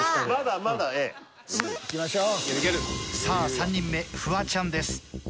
さあ３人目フワちゃんです。